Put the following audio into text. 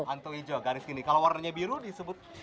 antoh ijo garis gini kalau warnanya biru disebut